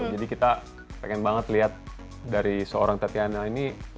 jadi kita pengen banget lihat dari seorang tatiana ini layer apa lagi sih yang bisa dikupas gitu